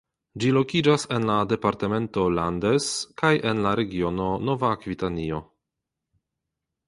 Ĝi lokiĝas en la departemento Landes kaj en la regiono Nova Akvitanio.